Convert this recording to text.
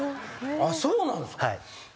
あっそうなんすか。